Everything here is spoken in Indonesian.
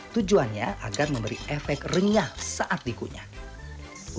tujuannya agar memberi efek renyah saat dikunyah